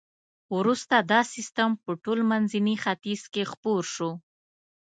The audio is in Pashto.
وروسته دا سیستم په ټول منځني ختیځ کې خپور شو.